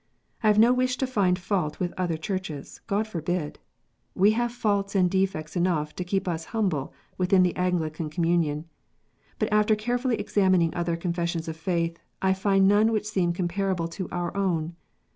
I have no wish to find fault with other Churches. God forbid ! We have faults and defects enough to keep us humble within the Anglican Communion. But after carefully examining other Confessions of faith, I find none which seem comparable to our own.